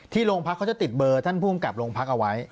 ที่โรงพักษณ์เขาจะติดเบอร์ท่านผู้องกับโรงพักษณ์เอาไว้